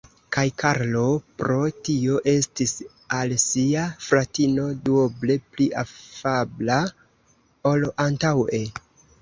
Kaj Karlo pro tio estis al sia fratino duoble pli afabla ol antaŭe.